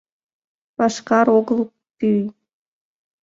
Пашкар огыл, пӱй.